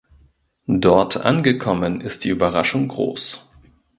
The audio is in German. Dort angekommen ist die Überraschung groß.